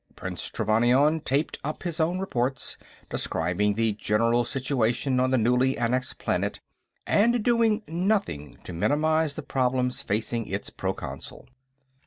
Prince Trevannion taped up his own reports, describing the general situation on the newly annexed planet, and doing nothing to minimize the problems facing its Proconsul.